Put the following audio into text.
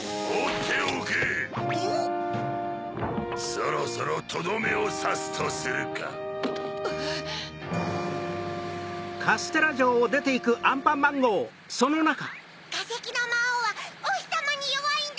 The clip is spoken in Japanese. そろそろとどめをさすとするか！かせきのまおうはおひさまによわいんだ！